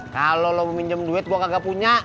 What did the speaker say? kalo lo mau minjem duit gue kagak punya